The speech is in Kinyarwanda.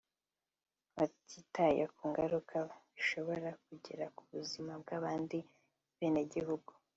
batitaye ku ngaruka bishobora kugira ku buzima bw’abandi benegihugu